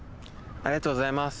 ありがとうございます。